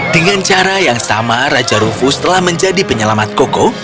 dengan cara yang sama raja rufus telah menjadi penyelamat koko